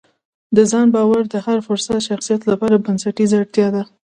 د ځان باور د هر فرد شخصیت لپاره بنسټیزه اړتیا ده.